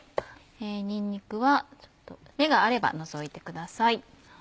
にんにくはちょっと芽があれば除いてください。